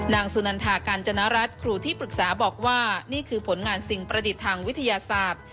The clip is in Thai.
สุนันทากาญจนรัฐครูที่ปรึกษาบอกว่านี่คือผลงานสิ่งประดิษฐ์ทางวิทยาศาสตร์